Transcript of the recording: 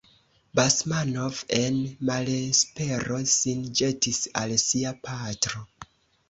Basmanov en malespero sin ĵetis al sia patro.